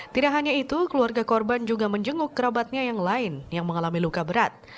tidak hanya itu keluarga korban juga menjenguk kerabatnya yang lain yang mengalami luka berat